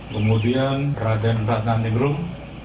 kemudian raden ratna ningrum